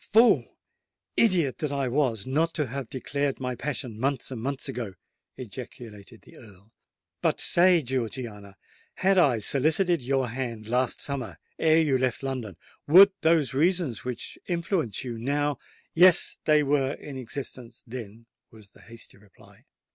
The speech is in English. "Fool—idiot that I was not to have declared my passion months and months ago!" ejaculated the Earl. "But say, Georgiana—had I solicited your hand last summer, ere you left London, would those reasons which influence you now——" "Yes—they were in existence then," was the hasty reply.